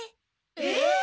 えっ？